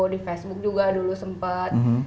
di facebook juga dulu sempat